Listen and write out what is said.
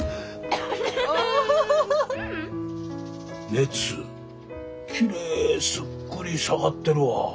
熱きれいすっくり下がってるわ。